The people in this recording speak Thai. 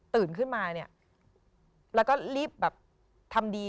ขึ้นมาเนี่ยแล้วก็รีบแบบทำดี